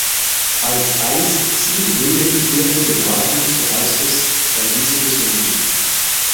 Als einst sieben Brüder die Kirche betraten, so heißt es, sei diese gesunken.